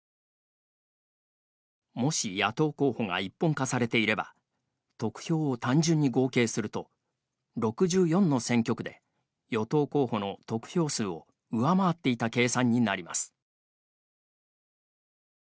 もし、野党候補が一本化されていれば得票を単純に合計すると６４の選挙区で与党候補の得票数を上回っていた計算になります。